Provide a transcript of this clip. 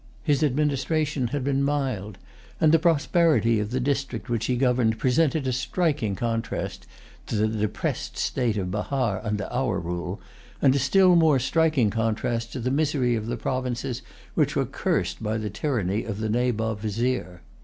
His administration had been mild; and the prosperity of the district which he governed presented a striking contrast to the depressed state of Bahar under our rule, and a still more striking contrast to the misery of the provinces which were cursed by the tyranny of the Nabob Vizier.